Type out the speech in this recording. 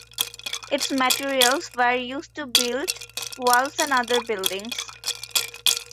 Its materials were used to build walls and other buildings.